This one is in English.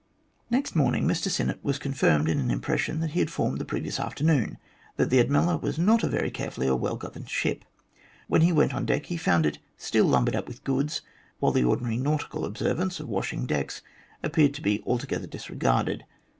Next morning Mr Sinnett was confirmed in an impression that he had formed the previous afternoon that the Admella was not a very carefully or well governed ship. When he went on deck he found it still lumbered up with goods, while the ordinary nautical observance of washing decks appeared to be altogether disregarded.